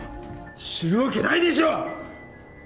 知るわけないでしょ！